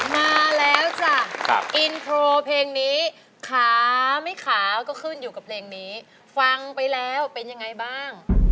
มาแล้วจ้ะอินโทรเพลงนี้ขาไม่ขาก็ขึ้นอยู่กับเพลงนี้ฟังไปแล้วเป็นยังไงบ้าง